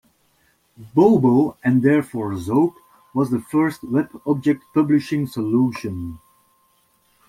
Bobo, and therefore Zope, was the first Web object publishing solution.